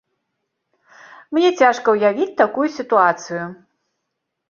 Мне цяжка ўявіць такую сітуацыю.